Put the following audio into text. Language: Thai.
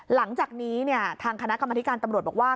หลังจากนี้ทางคณะกรรมธิการตำรวจบอกว่า